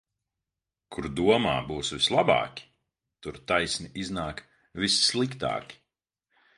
Kur domā būs vislabāki, tur taisni iznāk vissliktāki.